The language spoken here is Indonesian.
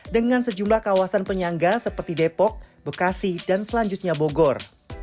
dengan sejumlah kawasan penyangga seperti depok bekasi dan selanjutnya bogor